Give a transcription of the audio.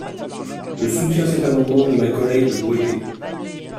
Je soutiens cet amendement de ma collègue Boyer.